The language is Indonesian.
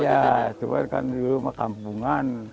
ya cuma kan dulu kampungan